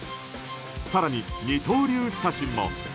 更に二刀流写真も。